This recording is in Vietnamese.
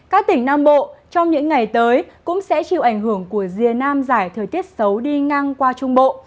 các tỉnh nam bộ trong những ngày tới cũng sẽ chịu ảnh hưởng của rìa nam giải thời tiết xấu đi ngang qua trung bộ